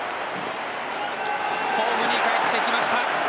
ホームにかえってきました。